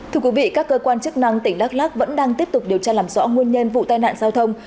thưa quý vị các cơ quan chức năng tỉnh đắk lắc vẫn đang tiếp tục điều tra làm rõ nguyên nhân vụ tai nạn giao thông